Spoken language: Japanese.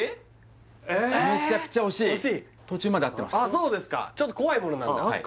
そうですかちょっと怖いものなんだ？